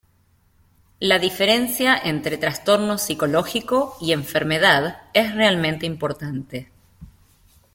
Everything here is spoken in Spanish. La diferencia entre "trastorno psicológico" y "enfermedad" es realmente importante.